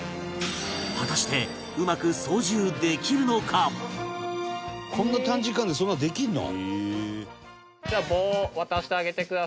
果たしてこんな短時間でそんなのできるの？